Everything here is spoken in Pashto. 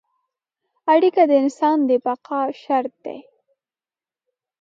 اړیکه د انسان د بقا شرط ده.